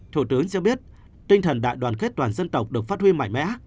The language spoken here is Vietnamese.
thủ tướng cho biết tinh thần đại đoàn kết toàn dân tộc được phát huy mạnh mẽ